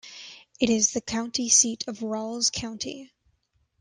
It is the county seat of Ralls County.